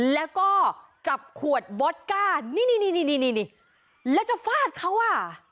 แล้วก็จับขวดบอตก้านี่นี่แล้วจะฟาดเขาอ่ะ